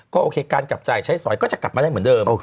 โอเคการจับจ่ายใช้สอยก็จะกลับมาได้เหมือนเดิม